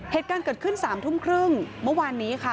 เหตุการณ์เกิดขึ้น๓ทุ่มครึ่งเมื่อวานนี้ค่ะ